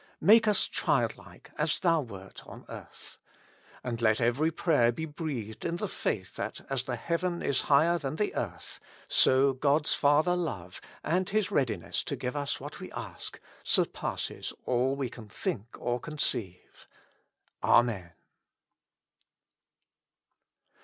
Make us childlike, as Thou wert on earth. And let every prayer be breathed in the faith that as the heaven is higher than the earth, so God's Father love, and His readiness to give us what we ask, sur passes all we can think or conceive. Amen.